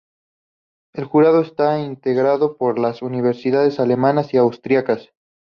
El jurado está integrado por las universidades alemanas y austriacas.